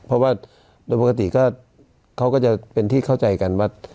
เพราะว่าโดยปกติก็เขาก็จะเป็นที่เข้าใจกันว่า